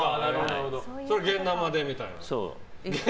それを現ナマでみたいな。